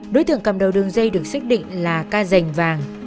đối tượng cầm đầu đường dây được xác định là ca dành vàng